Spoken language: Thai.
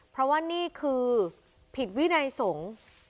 เพราะว่านี่คือผิดวินัยสงฆ์